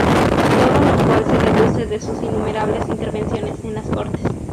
Todo lo cual se deduce de sus innumerables intervenciones en las Cortes.